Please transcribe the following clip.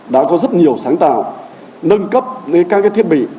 đã có rất nhiều sáng tạo nâng cấp lên các thiết bị